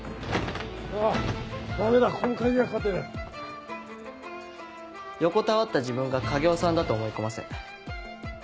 あぁダメだここも鍵が掛横たわった自分が影尾さんだと思い込ませ。